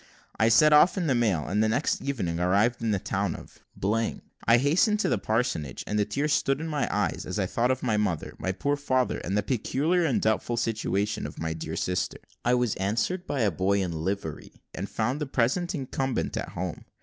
I set off in the mail, and the next evening arrived at the town of . I hastened to the parsonage, and the tears stood in my eyes as I thought of my mother, my poor father, and the peculiar and doubtful situation of my dear sister. I was answered by a boy in livery, and found the present incumbent at home.